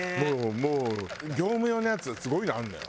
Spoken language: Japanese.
もう業務用のやつすごいのあるのよ。